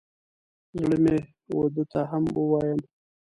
زړه مې و ده ته هم ووایم.